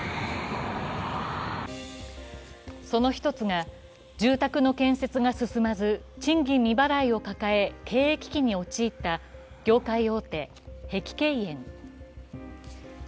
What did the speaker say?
その１つが、住宅の建設が進まず、賃金未払いを抱え、経営危機に陥った業界大手、碧桂園。